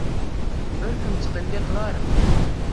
Ur kem-ttqelliqeɣ ara.